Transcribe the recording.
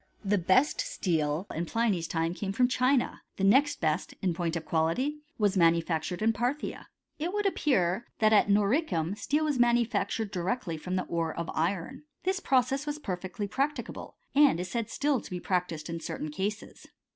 The best steel in Pliny's time came from China ; the next best, in point of quality, was manufactured in Parthia. It would appear, that at Noricum steel was manu ' factured "directly from the ore of iron. This process was perfecly practicable, and it is said still to be prac* tised in certain cases.